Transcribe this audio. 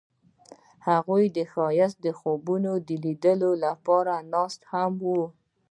هغوی د ښایسته خوبونو د لیدلو لپاره ناست هم وو.